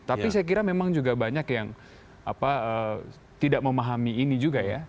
tapi saya kira memang juga banyak yang tidak memahami ini juga ya